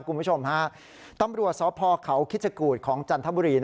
คุณผู้ชมฮะตำรวจสพเขาคิชกูธของจันทบุรี